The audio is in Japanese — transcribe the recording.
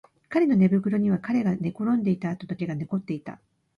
彼の寝袋には彼が寝転んでいた跡だけが残っていた